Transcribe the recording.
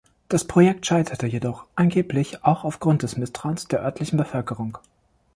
Das Projekt scheiterte jedoch, angeblich auch aufgrund des Misstrauens der örtlichen Bevölkerung.